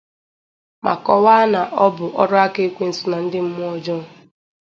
ma kọwaa na ọ bụ ọrụaka ekwensu na ndị mmụọ ọjọọ